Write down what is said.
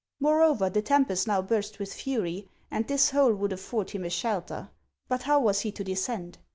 Moreover, the tem pest now burst with fury, and this hole would afford him a shelter; but how was he to descend?